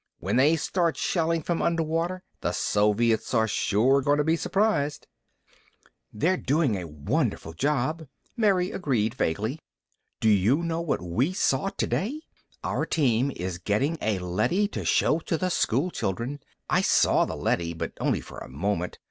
"When they start shelling from underwater, the Soviets are sure going to be surprised." "They're doing a wonderful job," Mary agreed vaguely. "Do you know what we saw today? Our team is getting a leady to show to the school children. I saw the leady, but only for a moment.